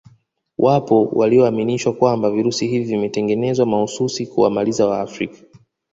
Wapo walioaminishwa kwamba virusi hivi vimetengenezwa mahususi kuwamaliza wafrika